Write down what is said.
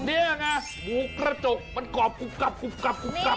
นี่ไงหมูกระจกมันกรอบกรุบกลับกรุบกลับกรุบกลับ